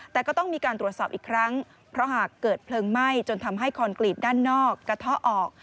แต่ก็ต้องมีการตรวจสอบอีกครั้งเพราะหากเกิดเพลิงไหม้จนทำให้คอนกรีตด้านนอกกระเทาะออก